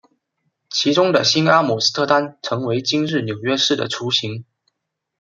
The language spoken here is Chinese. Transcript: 其中的新阿姆斯特丹成为今日纽约市的雏形。